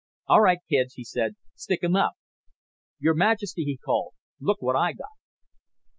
"All right, kids," he said, "stick 'em up. Your Majesty," he called, "look what I got."